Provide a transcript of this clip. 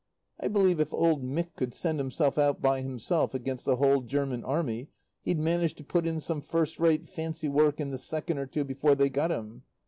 I believe if old Mick could send himself out by himself against the whole German Army he'd manage to put in some first rate fancy work in the second or two before they got him.